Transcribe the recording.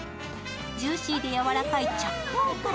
ジューシーでやわらかいチャックアイから。